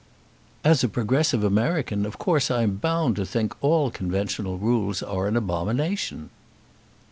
"As a progressive American, of course I am bound to think all conventional rules are an abomination."